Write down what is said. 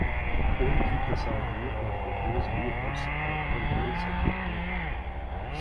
اُن کی تصاویر اور ویڈیوز بھی واٹس ایپ پر بھیج سکیں گے